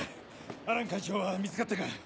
アラン会長は見つかったか？